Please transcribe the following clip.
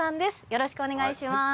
よろしくお願いします。